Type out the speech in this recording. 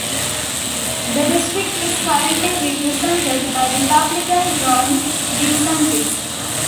The district is currently represented by Republican Ron DeSantis.